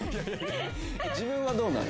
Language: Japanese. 自分はどうなの？